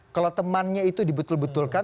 kalau temannya itu dibetul betulkan